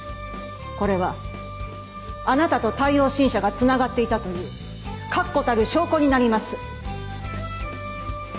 これはあなたと太陽新社がつながっていたという確固たる証拠になります。